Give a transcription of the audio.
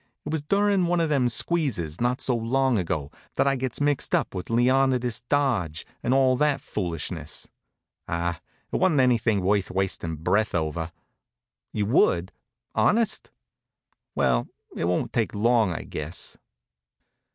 It was durin' one of them squeezes, not so long ago, that I gets mixed up with Leonidas Dodge, and all that foolishness. Ah, it wa'n't anything worth wastin' breath over. You would? Honest? Well, it won't take long, I guess.